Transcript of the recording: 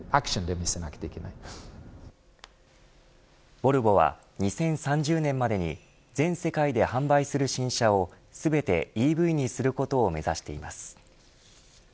ボルボは２０３０年までに全世界で販売する新車を全てＥＶにすることを目指しています。